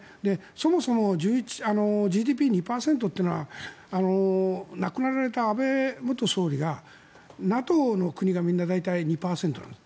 そもそも、ＧＤＰ２％というのは亡くなられた安倍元総理がＮＡＴＯの国がみんな大体２％なんです。